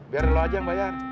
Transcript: biar lo aja yang bayar